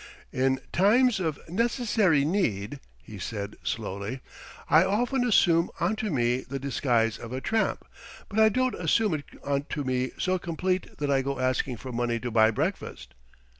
"In times of necessary need," he said slowly, "I often assume onto me the disguise of a tramp, but I don't assume it onto me so complete that I go asking for money to buy breakfast."